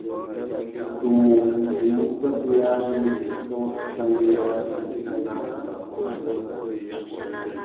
Tumu i mú tsakéyari tô tanguéyari nà makôndõ.